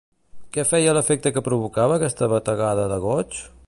Què feia l'efecte que provocava aquesta bategada de goig?